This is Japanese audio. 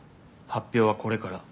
発表はこれから。